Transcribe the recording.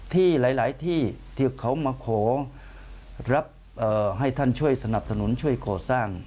ที่หลายที่ที่เขามาขอรับให้ท่านช่วยสนับสนุนช่วยก่อสร้าง